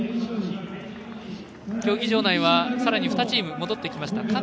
競技場内はさらに２チーム戻ってきました。